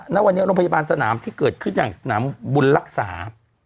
ณวันนี้โรงพยาบาลสนามที่เกิดขึ้นอย่างสนามบุญรักษา